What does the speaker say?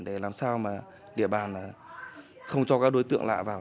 để làm sao mà địa bàn không cho các đối tượng lạ vào